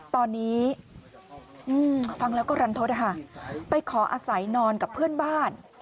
ตอนนี้ฟังแล้วก็รันทศไปขออาศัยนอนกับเพื่อนบ้าน